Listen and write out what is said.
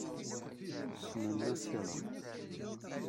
Ssnen Nasiṛa.